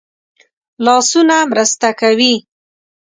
لاسونه مرسته کوي